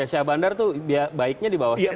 ya sah bandar tuh baiknya di bawah siapa